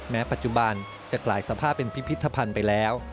ปัจจุบันจะกลายสภาพเป็นพิพิธภัณฑ์ไปแล้ว